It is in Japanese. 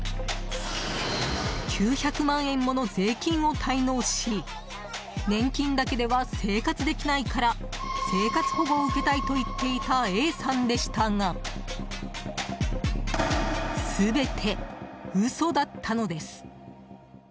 ９００万円もの税金を滞納し年金だけでは生活できないから生活保護を受けたいと言っていたＡさんでしたが全て嘘だったのです。